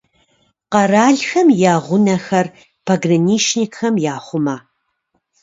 Къэралхэм я гъунэхэр пограничникхэм яхъумэ.